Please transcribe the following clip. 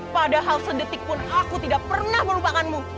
padahal sedetik pun aku tidak pernah melupakanmu